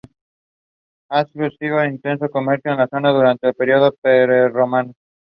Hay vestigios de un intenso comercio en la zona durante el período prerromano.